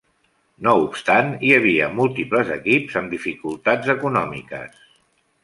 No obstant, hi havia múltiples equips amb dificultats econòmiques.